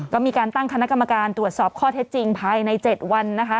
ก็มีการตั้งคณะกรรมการตรวจสอบข้อเท็จจริงภายใน๗วันนะคะ